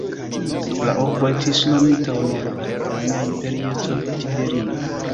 La urbo estis nomita honore al la romia imperiestro Tiberio.